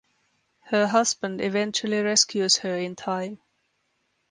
Her husband eventually rescues her in time.